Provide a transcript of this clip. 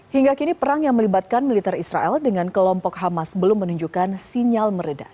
hingga kini perang yang melibatkan militer israel dengan kelompok hamas belum menunjukkan sinyal meredah